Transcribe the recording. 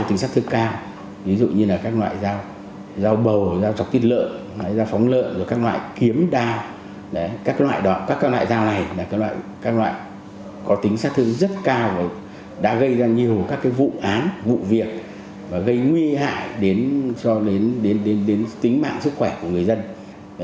tính sát thương cao ví dụ như là các loại dao bầu dao trọc tiết lợn dao phóng lợn các loại kiếm đao các loại dao này là các loại có tính sát thương rất cao và đã gây ra nhiều các vụ án vụ việc và gây nguy hại đến tính mạng sức khỏe của người dân